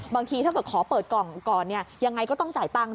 บางทีถ้าเกิดขอเปิดกล่องก่อนยังไงก็ต้องจ่ายตังค์